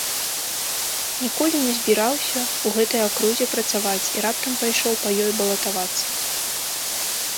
Ніколі не збіраўся ў гэтай акрузе працаваць і раптам пайшоў па ёй балатавацца.